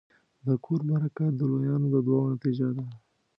د کور برکت د لویانو د دعاوو نتیجه ده.